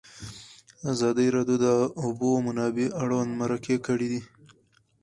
ازادي راډیو د د اوبو منابع اړوند مرکې کړي.